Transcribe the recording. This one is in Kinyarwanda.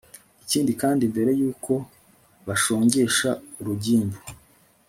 ikindi kandi, mbere y'uko bashongesha urugimbu